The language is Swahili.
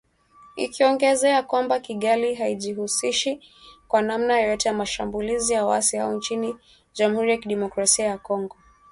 Ikiongezea kwamba “Kigali haijihusishi kwa namna yoyote na mashambulizi ya waasi hao nchini Jamhuri ya Kidemokrasia ya Kongo"